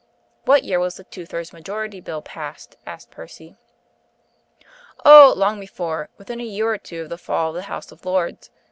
"What year was the Two Thirds Majority Bill passed?" asked Percy. "Oh! long before within a year or two of the fall of the House of Lords.